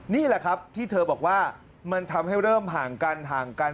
นี่แหละครับที่เธอบอกว่ามันทำให้เริ่มห่างกันห่างกัน